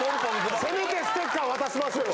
せめてステッカー渡しましょうよ。